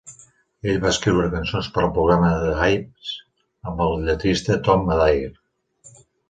Ell va escriure cançons per al programa d'Haymes amb el lletrista Tom Adair.